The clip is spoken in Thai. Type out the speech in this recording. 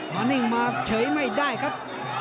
นิ่งมาเฉยไม่ได้ครับ